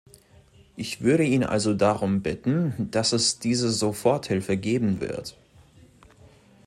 Ich würde ihn also darum bitten, dass es diese Soforthilfe geben wird.